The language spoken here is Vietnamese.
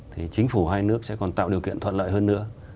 thì chính phủ hai nước sẽ còn tạo điều kiện thuận lợi hơn nữa